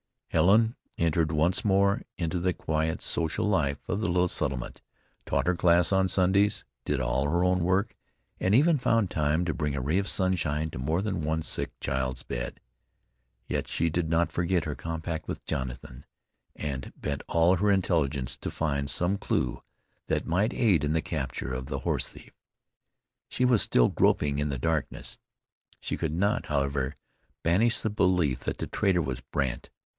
Helen entered once more into the quiet, social life of the little settlement, taught her class on Sundays, did all her own work, and even found time to bring a ray of sunshine to more than one sick child's bed. Yet she did not forget her compact with Jonathan, and bent all her intelligence to find some clew that might aid in the capture of the horse thief. She was still groping in the darkness. She could not, however, banish the belief that the traitor was Brandt.